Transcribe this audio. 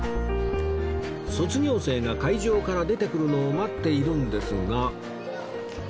卒業生が会場から出てくるのを待っているんですが